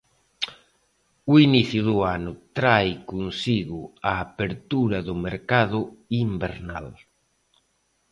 O inicio do ano trae consigo a apertura do mercado invernal.